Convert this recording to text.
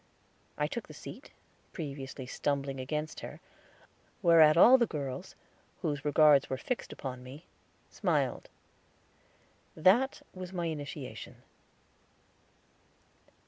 I took the seat, previously stumbling against her, whereat all the girls, whose regards were fixed upon me, smiled. That was my initiation.